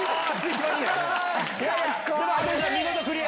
見事クリア！